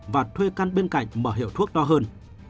và thuê căn bên cạnh mở hiệu thuốc to hơn